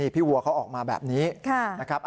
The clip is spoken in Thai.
วัวเขาออกมาแบบนี้นะครับ